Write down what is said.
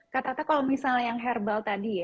kak tata kalau misalnya yang herbal tadi ya